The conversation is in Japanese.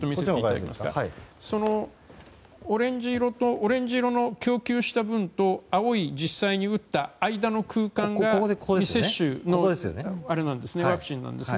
オレンジ色の供給した分と青い実際に打った間の空間が未接種のワクチンです。